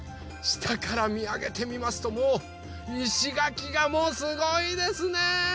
したからみあげてみますともういしがきがすごいですね！